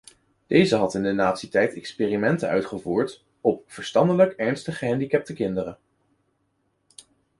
Deze had in de nazi-tijd experimenten uitgevoerd op verstandelijk ernstig gehandicapte kinderen.